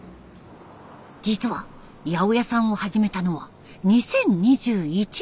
実は八百屋さんを始めたのは２０２１年。